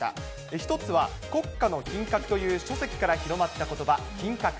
１つは、国家の品格という書籍から広まったことば、品格。